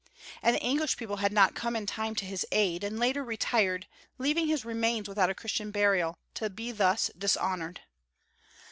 And the English people had not come in time to his aid, and later retired, leaving his remains without a Christian burial, to be thus dishonored!